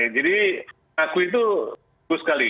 jadi aku itu aku sekali